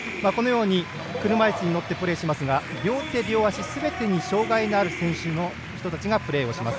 車いすに乗ってプレーしますが両手両足すべてに障害のある人たちがプレーをします。